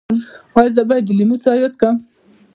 ایا زه باید د لیمو چای وڅښم؟